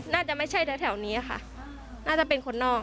น่าจะไม่ใช่แถวนี้ค่ะน่าจะเป็นคนนอก